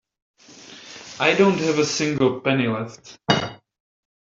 I don't have a single penny left.